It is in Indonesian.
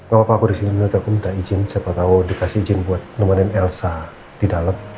gapapa aku disini menurut aku minta izin siapa tau dikasih izin buat nemenin elsa didalam